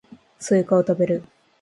スイカを食べる